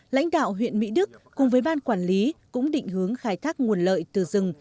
lãnh đạo huyện mỹ đức cùng với ban quản lý cũng định hướng khai thác nguồn lợi từ rừng